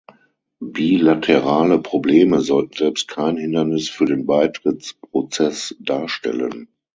Bilaterale Probleme sollten selbst kein Hindernis für den Beitrittsprozess darstellen.